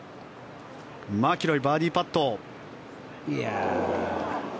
マキロイバーディーパット。